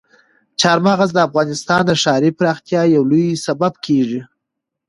چار مغز د افغانستان د ښاري پراختیا یو لوی سبب کېږي.